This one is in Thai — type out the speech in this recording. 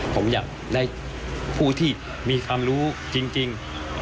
ผมอยากได้ผู้ที่มีความรู้จริง